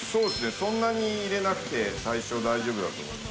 そんなに入れなくて最初大丈夫だと思います。